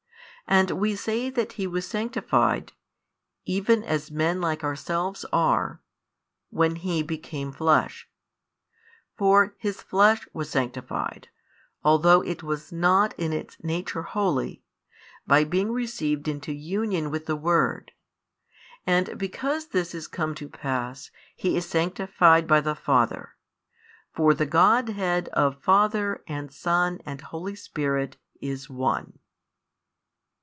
And we say that He was sanctified, even as men like ourselves are, when He became flesh: for His Flesh was sanctified, although it was not in its nature holy, by being received into union with the Word; and because this is come to pass, He is sanctified by the Father; for the Godhead of Father and Son and Holy Spirit is One.